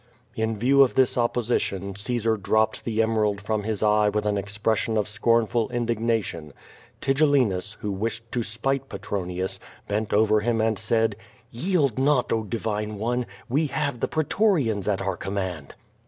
In view of this opposition, Caesar dropped the emcralcl from his eye with an expression of scornful indignation. Ti gellinus, who wished to spite Petronius, bent over him and said: ^TTield not, oh, divine one! we have the pretorians at our command."